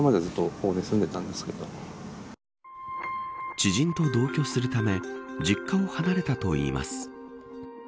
知人と同居するため実家を離れたといいます。